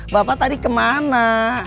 bapak tadi kemana